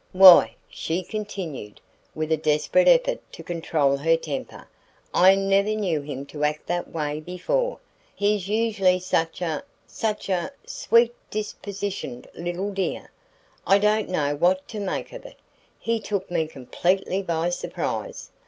"Why!" she continued, with a desperate effort to control her temper. "I never knew him to act that way before. He's usually such a such a sweet dispositioned little dear. I don't know what to make of it. He took me completely by surprise.